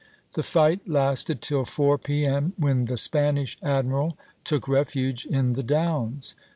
The fight lasted till four P.M., when the Spanish admiral took refuge in the Downs.